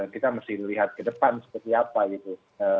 kita mesti lihat ke depan seperti apa gitu